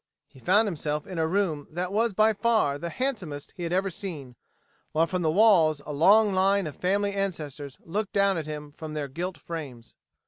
He found himself in a room that was by far the handsomest he had ever seen, while from the walls a long line of family ancestors looked down at him from their gilt frames.